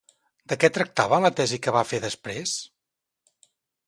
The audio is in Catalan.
De què tractava la tesi que va fer després?